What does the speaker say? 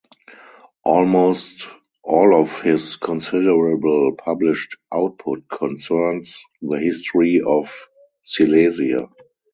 Almost all of his considerable published output concerns the History of Silesia.